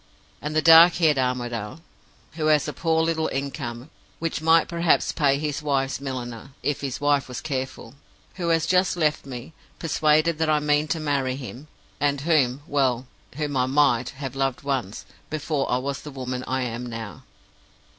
And the dark haired Armadale, who has a poor little income, which might perhaps pay his wife's milliner, if his wife was careful; who has just left me, persuaded that I mean to marry him; and whom well, whom I might have loved once, before I was the woman I am now.